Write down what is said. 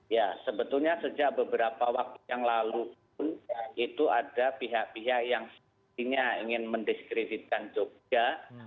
ya sebetulnya sejak beberapa waktu yang lalu pun itu ada pihak pihak yang sepertinya ingin mendiskreditkan jogja